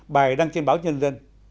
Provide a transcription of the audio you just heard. bài đăng trên báo nhân dân